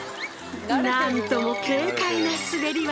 なんとも軽快な滑り技。